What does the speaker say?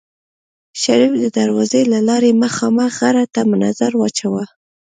شريف د دروازې له لارې مخامخ غره ته نظر واچوه.